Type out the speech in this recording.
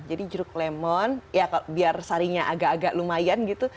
jadi jeruk lemon ya biar saringnya agak agak lumayan gitu